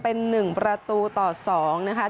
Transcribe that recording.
เป็น๑ประตูต่อ๒นะคะ